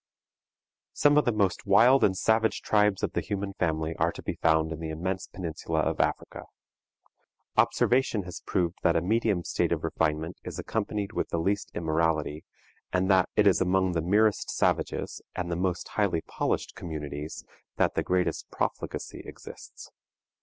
Some of the most wild and savage tribes of the human family are to be found in the immense peninsula of Africa. Observation has proved that a medium state of refinement is accompanied with the least immorality, and that it is among the merest savages and the most highly polished communities that the greatest profligacy exists.